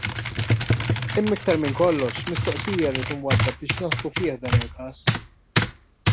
Imma iktar minn kollox mistoqsija rrid inwaddab biex naħsbu fih dan il-każ.